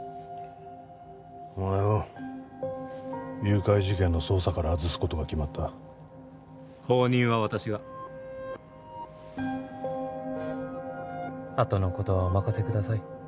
お前を誘拐事件の捜査から外すことが決まった後任は私があとのことはお任せください